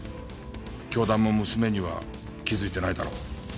教団も娘には気づいてないだろう。